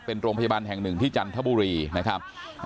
เป็นโรงพยาบาลแห่งหนึ่งที่จันทบุรีนะครับ